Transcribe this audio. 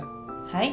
はい。